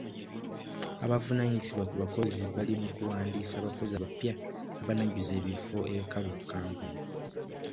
Abavunaanyizibwa ku bakozi bali mu kuwandiisa abakozi abapya abanajjuza ebifo ebikalu mu kampuni.